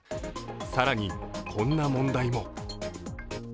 更にこんな問題も。